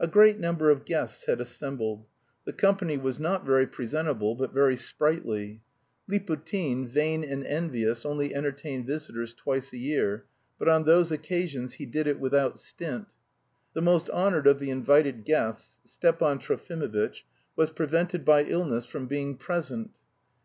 A great number of guests had assembled. The company was not very presentable, but very sprightly. Liputin, vain and envious, only entertained visitors twice a year, but on those occasions he did it without stint. The most honoured of the invited guests, Stepan Trofimovitch, was prevented by illness from being present.